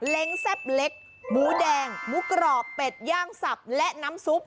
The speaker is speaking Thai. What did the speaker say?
เล้งแซ่บเล็กหมูแดงหมูกรอบเป็ดย่างสับและน้ำซุป